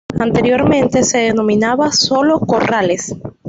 Anteriormente se denominaba solo Corrales.